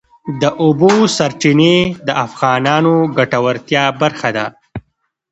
د اوبو سرچینې د افغانانو د ګټورتیا برخه ده.